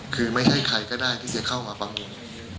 คือไม่ใช่ใครก็ได้ที่จะเข้ามาบางอย่าง